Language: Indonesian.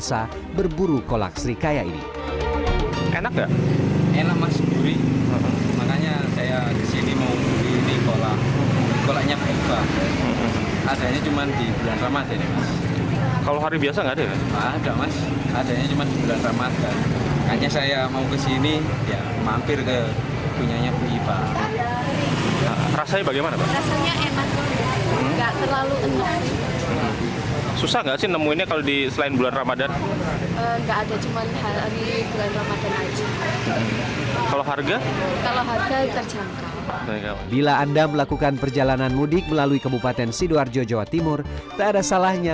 yang membedakan kolak serikaya dengan kolak yang ada di indonesia adalah menggunakan telur sebagai tambahan dalam kuahnya